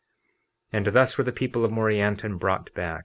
50:36 And thus were the people of Morianton brought back.